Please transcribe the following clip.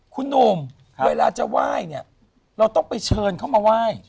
คุณหนุ่มเวลาจะไหว้เนี่ยเราต้องไปเชิญเข้ามาไหว้